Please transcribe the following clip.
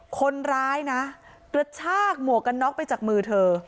คนร้ายนะกระชากหมวกกันน็อกไปจากมือเธอ